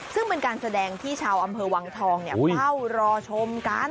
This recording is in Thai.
ซึ่งเป็นการแสดงที่ชาวอำเภอวังทองเฝ้ารอชมกัน